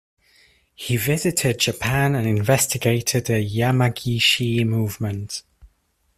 He visited Japan and investigated the Yamagishi movement.